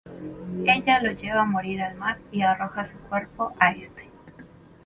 Ella lo lleva a morir al mar y arroja su cuerpo a este.